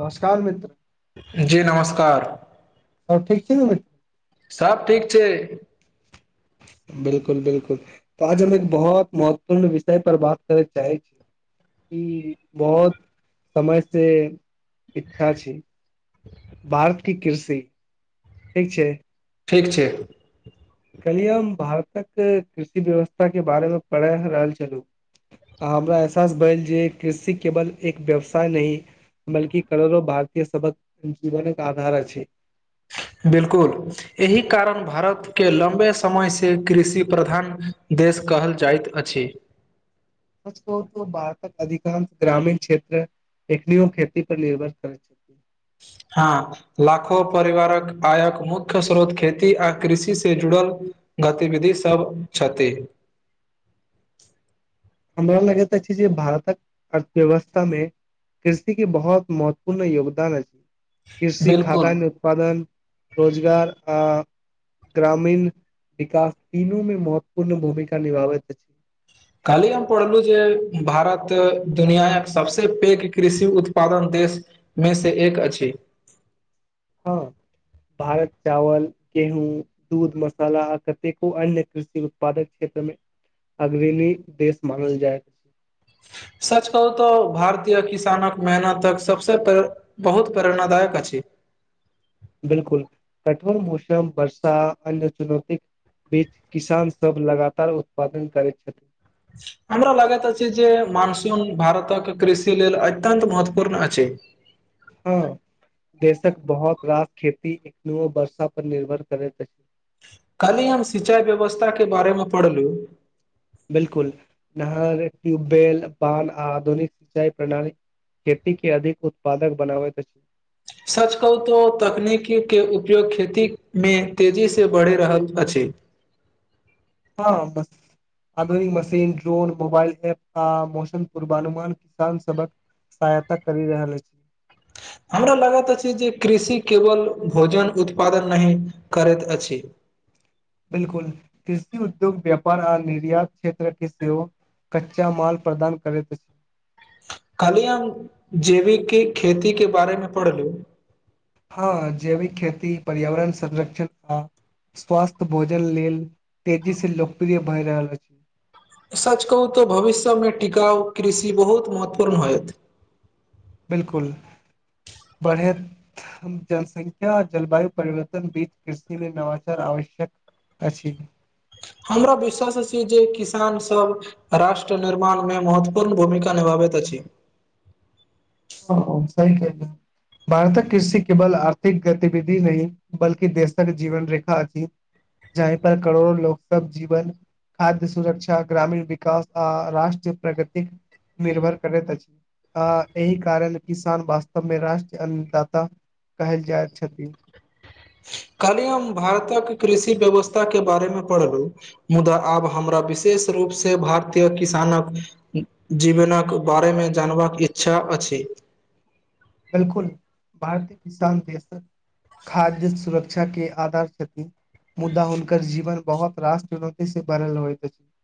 नमस्कार मित्र। कार, सब ठीक छी ने मित्र सब ठीक छै। [inaudible] बिल्कुल-बिल्कुल, त आज हम एक बहोत महत्वपूर्ण विषय पर बात करै क चाहै छी। ई बहुत समय से इच्छा छी। भारत के कृषि, ठीक छै। ठीक छै। कल्हि हम भारतक कृषि व्यव्स्था के बारे में पढ़ै ह रहल छलहुँ। आ हमरा एहसास भेल जे कृषि केवल एक व्यवसाय नहि। बल्कि करोड़ों भारतीय सबहक जीवन आधार अछि। बिल्कुल, एहि कारण भारत के लंबे समय से कृषि प्रधान देश। कहल जाइत अछि। भारतक अधिकांश ग्रामीण क्षेत्र। एखनीयो खेती पर निर्भर करै छथि। हँ, लाखो परिवारक आयक मुख्य स्रोत खेती आ कृषि से जुड़ल। गतिविधि सभ छथि। [inaudible] हमरा लगैत अछि जे भारतक अर्थव्यवस्था में। कृषि के बहुत महत्वपूर्ण योगदान अछि। कृषि बिलकुल खाद्यान्न उत्पादन। रोजगार आ। ग्रामीण विकास, तीनुमें महत्वपूर्ण भूमिका निभाबैत अछि। काल्हि हम पढ़लहुँ जे भारत दुनिआक सबस पैघ कृषि उत्पादन देश। में से एक अछि। हाँ। भारत चावल, गेहूँ, दूध, मसाला आ कतेको अन्य कृषि उत्पादक क्षेत्र। अग्रणी देश मानल जाइत। सच कहू तो भारतीय किसानक मेहनतक सबसे बहुत प्रेरणादायक अछि। बिल्कुल, कठोर मौसम वर्षा अन्न चुनौती। बीच किसान सब लगातार उत्पादन करैत छैथि। हमरा लागैत अछि जे मानसून भारतक कृषि लेल अत्यन्त महत्वपूर्ण अछि। ह्म। हँ। देशक बहुत रास खेती एखनो वर्षापर निर्भर करैत अछि। काल्हि हम सिंचाइ व्यवस्थाके बारेमे पढ़लहुँ बिलकुल। नहर, टयूबबेल, बान्ह आ आधुनिक सिंचाई प्रणाली खेतीकेँ अधिक उत्पादक बनाबैत अछि। सच कहू तऽ तकनीकी के उपयोग खेतीमे तेजीसँ बढ़ि रहल अछि। हँ बस। आधुनिक मशीन, ड्रोन, मोबाइल ऐप आ मौसम पूर्वानुमान किसान सभक सहायता करि रहल अछि। हमरा लागैत अछि, जे कृषि केवल भोजन उत्पादन नहि करैत अछि। बिलकुल। कृषि उद्योग, व्यापार आ निर्यात क्षेत्रके सेहो कच्चा माल प्रदान करैत अछि। काल्हि हम जैविक खेतीके बारे मे पढ़लहुँं। हँ, जैविक खेती पर्यावरण संरक्षण आ स्वास्थ्य भोजन लेल तेजीसे लोकप्रिय भए रहल अछि। सच कहू तऽ भविष्यमे टिकाउ कृषि बहुत महत्वपूर्ण होयत। बिलकुल। बढ़ैत जनसंख्या आ जलवायु परिवर्तन बीच कृषिमे नवाचार आव आवश्यक अछि। हमरा विश्वास अछि, जे किसानसभ राष्ट्र निर्मामे महत्वपूर्ण भूमिका निभावैत अछि। हँं हँ, सही कहलियै। भारतक कृषि केवल आर्थिक गतिविधि नहि, बल्कि देशक जीवन रेखा अछि। जाहिपर करोड़ो लोकसभ जीवन खाद्य सुरक्षा, ग्रामीण विकास आ राष्ट्रीय प्रगति। निर्भर करैत अछि। आ एहि कारण किसान वास्तवमे राष्ट्रीय अन्नदाता कहल जाइत छथि। [inaudible] काल्हि हम भारतक कृषि व्यवस्थाके बारे मे पढ़लहुँ, मुदा आब हमरा विशेष विशेष रूपसे भारतीय किसानक उम्म जीवनक बारेमे जानबाक इच्छा अछि। बिल्कुल। भारतीय किसान देशक खाद्य सुरक्षाके आधार छथि। मुदा हुनकर जीवन बहोत रास चुनौतीसे भरल होइत अछि। [inaudible]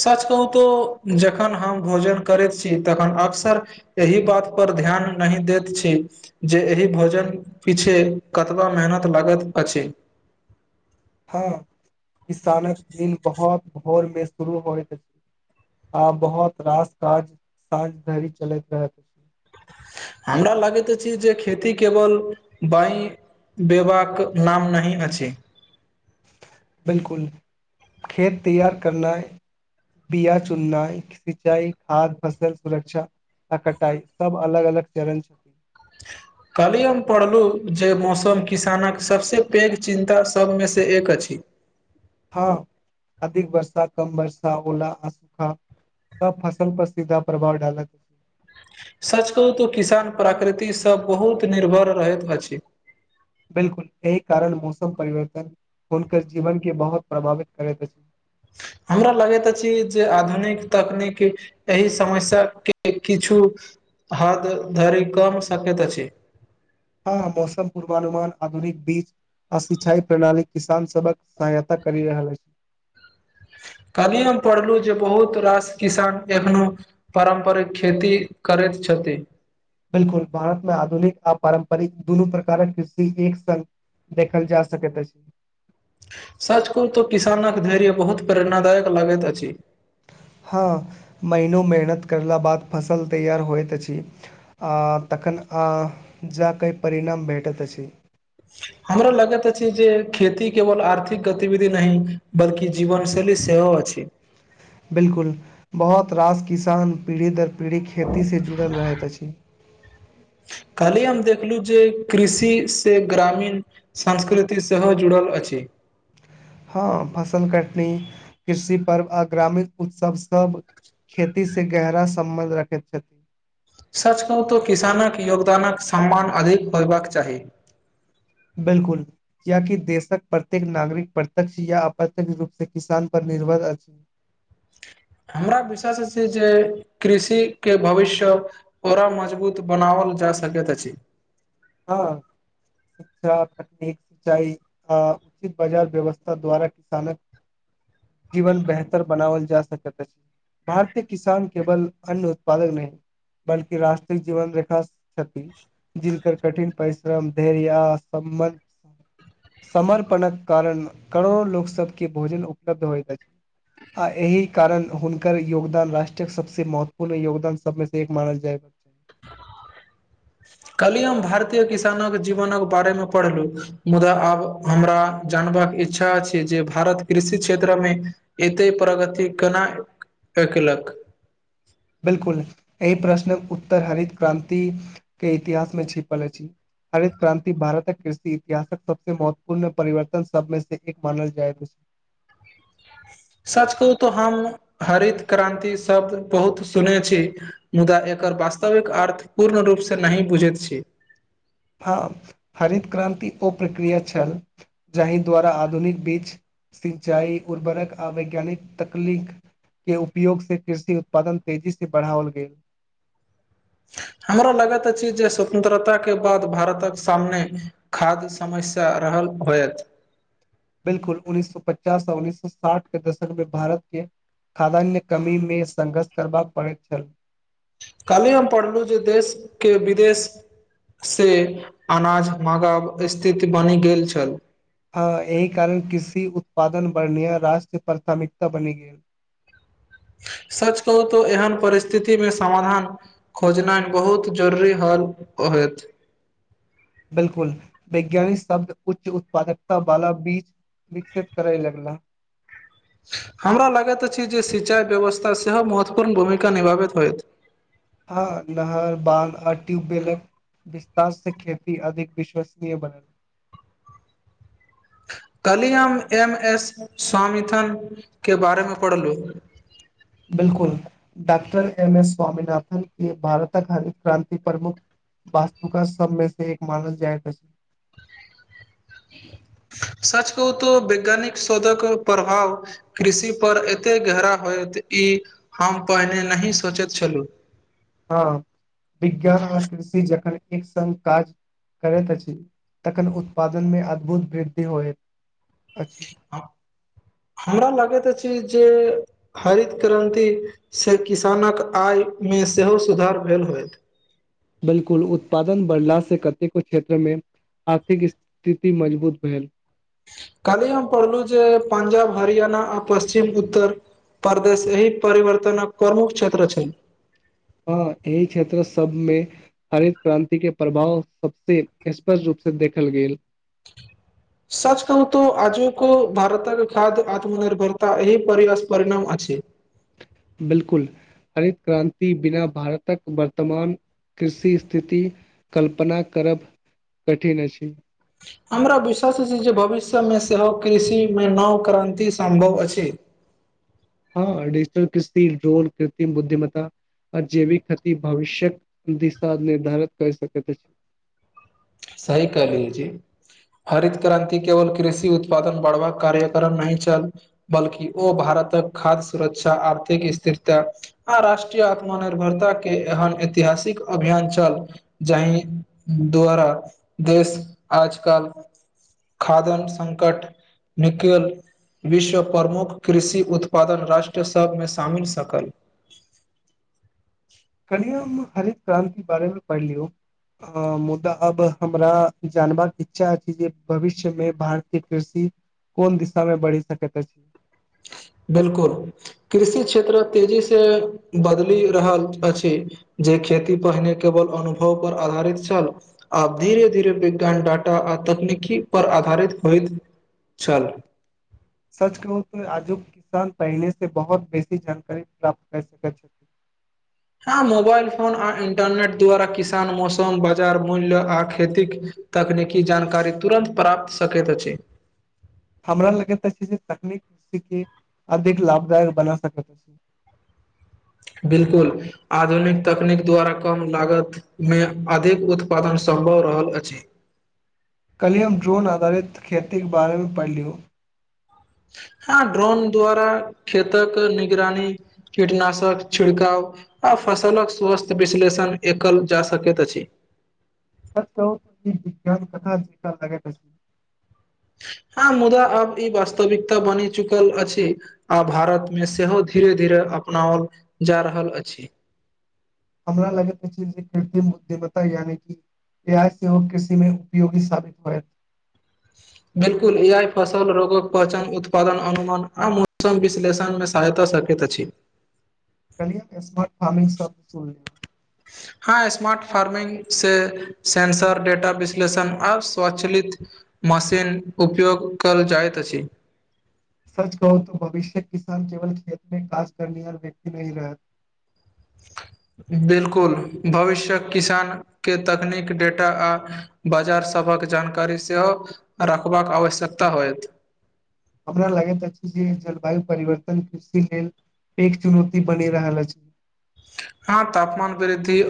सच कहू तऽ जखन हम भोजन करैत छी तखन अक्सर एहि बात पर ध्यान नहि दैत छै, जे एहि भोजन पीछे कतबा मेहनत लागत अछि। [inaudible] हँ, किसानक दिन बहुत भोरमे शुरू होेइत अछि। आ बहुत रास काज साँझ धरि चलैत रहैत अछि। हमरा लागैत अछि जे खेती केवल बाईं बैबाक नाम नहि अछि। बिल्कुल। खेत तैयार करनाय बिया चुन्नाय, सिंचाई, खाद, फसल सुरक्षा आ कटाई सब अलग अलग चरण छैय। कल्हि हम पढ़लु जे मौसम किसानक सबसे पैघ चिन्ता सबमे से एक अछि। हां अधिक वर्षा, कम वर्षा, ओला अ सूखा सब फसल पर सीधा प्रभाव डालत सच कहू तऽ किसान प्रकृतिसँ बहुत निर्भर रहैत अछि। बिल्कुल एहि कारण मौसम परिवर्तन हुनकर जीवन के बहोत प्रभावित करैत अछि। [inaudible] बुरा लगैत अछि जे आधुनिक तकनीक एहि समस्या के किछु हाँ ध धैर्य कम सकैत अछि। हां मौसम पूर्वानुमान आधुनिक बीज आ सिंचाई प्रणाली किसान सभक सहायता करि रहल ऐछ। कल्हि हम पढ़लु जे बहुत रास किसान एखनो पारम्परिक खेती करैत छ [inaudible] भारतमे आधुनिक आ पारम्परिक दुनू प्रकारक कृषि एक संग देखल जा सकैत अछि। सच कहु तो किसानक धैर्य बहुत प्रेरणादायक लागैत अछि। [inaudible] हां महनो मेहनत करला बाद फसल तैयार होइत अछि आ तखन आ जा के परिणाम भेटैत अछि। हमरा लगैत अछि जे खेती केवल आर्थिक गतिविधि नहि बल्कि जीवन से शैली सेहो अछि। बिल्कुल बहोत रास किसान पीढ़ी दर पीढ़ी खेती से जुड़ल रहैत अछि। कल्हि हम देखलु जे कृषि से ग्रामीण संस्कृति सेहो जुड़ल अछि। [inaudible] हां फसल कटनी कृषि पर्व आ ग्रामीण उत्सव सब खेती से गहरा सम्बन्ध रखैत छथि। सच कहू तऽ किसानक योगदानक सम्मान अधिक होयबाक चाही। बिल्कुल कियाकी देशक प्रत्येक नागरिक प्रत्यक्ष या अप्रत्यक्ष रूप से किसान पर निर्भर अछि। हमरा विश्वास अछि जे कृषि के भविष्य पुरा मजबूत बनावल जा सकेत अछि। हाँ। शिक्षा, तकनीक, सिचाई, आ उचित बाजार व्यवस्था द्वारा किसानक जीवन बेहतर बनावल जा सकत अछि। भारतीय किसान केवल अन्न उत्पादक नै बल्कि राष्ट्रिक जीवन रेखा क्षति जिनकर कठिन परिश्रम, धैर्य या समबन्ध समर्पणक कारण करोड़ो लोक सबके भोजन उपलब्ध होइत अछि। आ एहि कारण हुनकर योगदान राष्ट्रक सबसे महत्वपूर्ण योगदान सबमे से एक मानल जाइ। [inaudible] कल्ही हम भारतीय किसानक जीवनक बारे मे पढ़लू मुदा आब हमरा जान करबाक इच्छा छैय जे भारत कृषि क्षेत्र मे एते प्रगति केना एक लख। 'बिलकुल' एहि प्रश्नक उत्तर हरित क्रान्तिक के इतिहास में छिपल अछि। हरित क्रान्ति, भारतक कृषि इतिहासक सबसे महत्वपूर्ण परिवर्तन सबमे से एक मानल जाय। [inaudible] सच कहू तऽ हम हरित क्रान्ति शब्द बहुत सुने छी। मुदा एक एकर वास्तविक अर्थ पूर्ण रूप से नहि बुझैत छी। [inaudible] हाँ, हरित क्रान्ति ओ प्रक्रिया छल, जाहि द्वारा आधुनिक बीच सिंचाई, उर्वरक, आ वैज्ञानिक तकलीक के उपयोग से, कृषि उत्पादन, तेजी से बढाउल गेल। हमरा लागत अछि जे, स्वतंत्रता के बाद भारतक सामने, खाद्य समस्या रहल। होयत। 'बिलकुल' उन्नीस सौ पचास, आ उन्नस सौ साठ के दशक मे, भारत के खाद्यान्य कमीमे, संघर्ष करबा पड़ैत छल। काल्हि हम पढ़लहुँ जे देशके विदेश से, अनाज मगाब स्थिति बनि गेल छल। हाँ एहि कारण कृषि उत्पादन बर्णिया राष्ट्र प्राथमिकता बनि गेल। सच कहू तो एहन परिस्थिति मे, समाधान खोजना बहुत जरुरी हल। ओ होयत। 'बिलकुल' वैज्ञानिक शब्द, उच्च उत्पादकता वाला बीच विकसित करए लगला। हमरा लगैत अछि जे, सिंचाई व्यवस्था सेहो महत्वपूर्ण भूमिका निभाबैत होयत। हाँ नहर, बांध, आर टयूबबेल विस्तार से खेती, अधिक विश्वसनीय बनल। कल्हि हम एम एस स्वामिथन के बारेमे पढ़लहुँ। 'बिलकुल'डाक्टर एम एस स्वामीनाथन के भारतक हर क्रांति प्रमुख वास्तुका सबमे से एक मानस जायत अछि। [inaudible] सच कहू तो वैज्ञानिक शोधक प्रभाव कृषि पर, एते गहरा होयत। ई हम पहिने नहि सोचैत छलहुँ। हाँ, विज्ञान आ कृषि जखन एक संग काज करैत अछि। तखन उत्पादनमे अद्भुत वृद्धि होयत। [unintelligible] हमरा लगैत अछि जे हरित क्रान्ति से, किसानक आय मे सेहो सुधार भेल होइत। 'बिलकुल' उत्पादन बढ़ला से कतेको क्षेत्रमे आर्थिक स्थिति मजबूत भेल। काल्हि हम पढ़लू जे, पंजाब, हरियाणा, आ पश्चिम उत्तर परदेश एहि परिवर्तनक प्रमुख क्षेत्र छै। हँ एहि क्षेत्र सबमे, हरित क्रान्ति के प्रभाव, प्रत्येक स्पष्ट रूप देखल गेल। सच कहुँत, आजुक भारतके खाद्य आत्मनिर्भरता, एहि परिअसप्रणाम अछी। 'बिलकुल' हरित क्रान्ति बिना भारतक वर्तमान कृषि स्थिति, कल्पना करब कठिन अछि। हमरा विश्वास छी जे, भविष्यमे सेहो कृषि मे नओ क्रान्ति सम्भव अछि। [unintelligible] हँ डजिटल कृस्ति ड्रोन, कृत्रिम बुद्धिमत्ता। आजैविक हति भविष्यक दिशा निर्धारित क सकैत अछि। सही कहलु जी। हरित क्रान्ति केवल कृषि उत्पादन बढ़बाक कार्यक्रम नहि छल, बल्कि ओ भारत। तक खाद्य सुरक्षा, आर्थिक स्थिरता आ राष्ट्रीय आत्मनिर्भरता के एहन एति ऐतिहासिक अभियान छल जाहि द्वारा। देश आज-कल खादन संकट निकेल। विश्व प्रमुख कृषि उत्पादन राष्ट्र सभमें शामिल सकल। [unintelligible] कल्हिये हम हरित क्रान्ति बारेमें पढ़िलियौ। अ मुदा अब हमरा जानबाक इच्छा अछि जे भविष्यमें भारतीय कृषि। कोन दिशा में बढ़ि सकैत अछि। बिल्कुल, कृषि क्षेत्र तेजी से बदलि रहल अछि। जे खेती पहिने केवल अनुभव पर आधारित छल, आब धीरे-धीरे विज्ञान डाटा। तकनीकी पर आधारित होइत छल। सच कहू त आजुक किसान पहिने से बहुत बेसी जानकारी प्राप्त कर सकै छै। [unintelligible] हँ मोबाइल फोन आ इन्टरनेट द्वारा किसान मौसम बाजार मूल्य आ खेतिक। तकनीकी जानकारी तुरन्त प्राप्त सकैत अछि। [unintelligible] हमरा लगैत अछि जे तकनीक कृषि के अधिक लाभदायक बना सकैत अछि। [unintelligible] बिल्कुल, आधुनिक तकनीक द्वारा कम लागत में अधिक उत्पादन सभ। सम्भव रहल अछि। कल्हि हम ड्रोन आधारित खेती के बारे में पढ़लियौ। [unintelligible] हां, ड्रोन द्वारा खेतक निगरानी कीटनाशक छिड़काव आ। फसलक स्वस्थ विश्लेषण एकल जा सकैत अछि। सच कहू त, ई विज्ञान कथा जिकाँ लागैत अछि। हां, मुदा आब ई वास्तविकता बनि चुकल अछि आ भारत मे सेहो धीरे-धीरे। अपनाओल जा रहल अछि। हमरा लगैत छै जे कृत्रिम-उद्यमता यानि कि। रिहाय सेहो कृषि मे उपयोगी साबित होएत। बिल्कुल ए-आई फसल रोगक पहचान उत्पादन अनुमान आ मौसम विश्लेषण में सहायता सक। कैत अछी। [unintelligible] हम इस सब सुनलौं। हँ स्मार्ट फार्मिंग से सेंसर डेटा विश्लेषण आ स्वचलित। मशीन उपयोग करल जाइत अछि। [inaudible] सच कहू त भविष्यक किसान केवल खेत में काज करनिहार व्यक्ति नहि रहत। [unintelligible] बिल्कुल, भविष्यक किसान के तकनीक डेटा आ बाजारसँ। सभहक जानकारी सेहो रखबाक आवश्यकता होयत। हमरा लगैत अछि जे जलवायु परिवर्तन कृषि लेल। एक चुनौती बनी रहल अछि। हँ तापमान वृद्वि।